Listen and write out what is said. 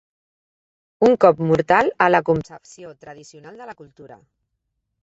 Un cop mortal a la concepció tradicional. de la cultura.